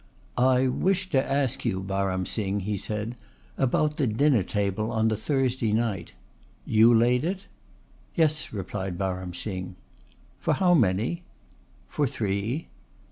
"I wish to ask you, Baram Singh," he said, "about the dinner table on the Thursday night. You laid it?" "Yes," replied Baram Singh. "For how many?" "For three."